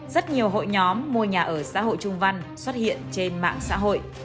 rất nhiều hội nhóm mua nhà ở xã hội trung văn xuất hiện trên mạng xã hội